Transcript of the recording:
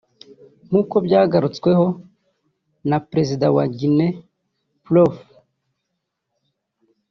nk’uko byagarutsweho na Perezida wa Guinee Prof